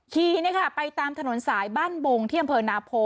ขี่ไปตามถนนสายบ้านบงที่อำเภอนาโพ